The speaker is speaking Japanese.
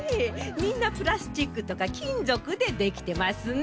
みんなプラスチックとかきんぞくでできてますね。